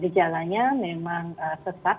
dan gejalanya memang sesak